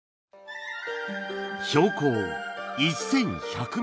標高 １１００ｍ